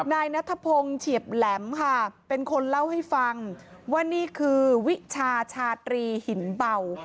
นายนัทพงศ์เฉียบแหลมค่ะเป็นคนเล่าให้ฟังว่านี่คือวิชาชาตรีหินเบา